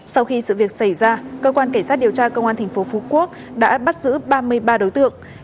sau khi sự việc xảy ra cơ quan cảnh sát điều tra công an tp phú quốc đã bắt giữ ba mươi ba đối tượng hiện vụ việc đang được tiếp tục điều tra làm rõ